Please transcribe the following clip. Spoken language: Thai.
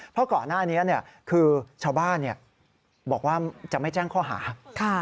เพราะก่อนหน้านี้คือชาวบ้านบอกว่าจะไม่แจ้งข้อหา